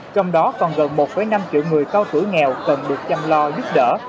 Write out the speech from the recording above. trong đó còn gần một năm triệu người cao tuổi nghèo cần được chăm lo giúp đỡ